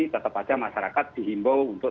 tetap saja masyarakat dihimbau untuk